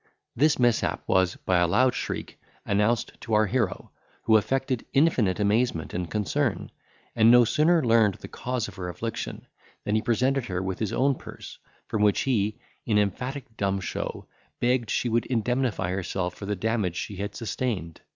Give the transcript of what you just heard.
This mishap was, by a loud shriek, announced to our hero, who affected infinite amazement and concern; and no sooner learned the cause of her affliction, than he presented her with his own purse, from which he, in emphatic dumb show, begged she would indemnify herself for the damage she had sustained.